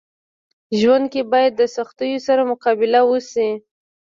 ژوند کي باید د سختيو سره مقابله وسي.